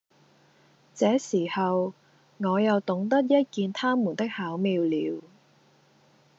這時候，我又懂得一件他們的巧妙了。